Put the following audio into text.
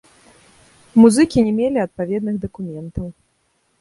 Музыкі не мелі адпаведных дакументаў.